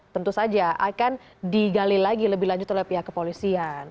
tentu saja akan digali lagi lebih lanjut oleh pihak kepolisian